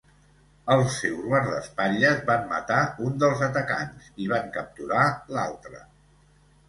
Els seus guardaespatlles van matar un dels atacants i van capturar l'altre.